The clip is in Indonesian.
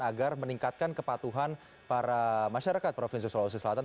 agar meningkatkan kepatuhan para masyarakat provinsi sulawesi selatan